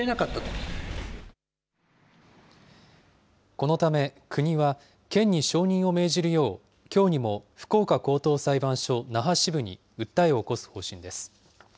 このため、国は県に承認を命じるよう、きょうにも福岡高等裁判所那覇支部に訴えを起こす方針です。